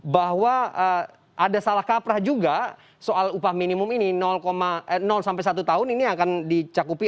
bahwa ada salah kaprah juga soal upah minimum ini sampai satu tahun ini akan dicakupi